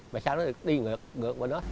mà sao nó đi ngược bên đó